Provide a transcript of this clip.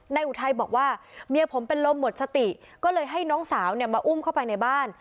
อุทัยบอกว่าเมียผมเป็นลมหมดสติก็เลยให้น้องสาวเนี่ยมาอุ้มเข้าไปในบ้าน